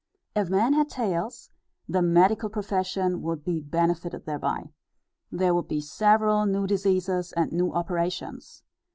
If men had tails, the medical profession would be benefited thereby. There would be several new diseases and new operations.